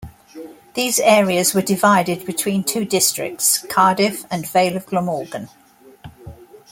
These areas were divided between two districts: Cardiff and Vale of Glamorgan.